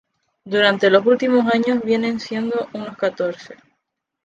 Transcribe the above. Durante los últimos años vienen siendo unos catorce.